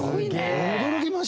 驚きました